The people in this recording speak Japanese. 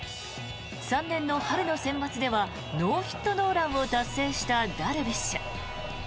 ３年の春のセンバツではノーヒット・ノーランを達成したダルビッシュ。